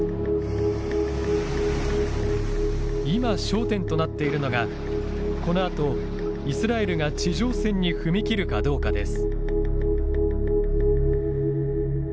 今、焦点となっているのがこのあとイスラエルが地上戦に踏み切るかどうかです。